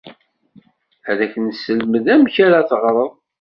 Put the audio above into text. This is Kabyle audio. Ad ak-nesselmed amek ara teɣred.